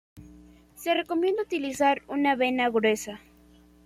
Se recomienda utilizar una vena gruesa.